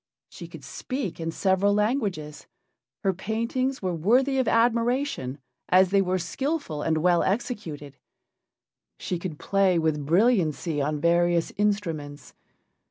She could speak in several languages, her paintings were worthy of admiration, as they were skillful and well executed; she could play with brilliancy on various instruments.